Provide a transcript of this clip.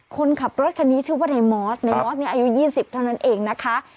คนขับรถคันนี้ชื่อว่าในมอสในมอสเนี่ยอายุ๒๐เท่านั้นเองนะคะ